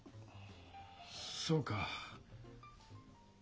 そうか。